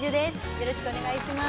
よろしくお願いします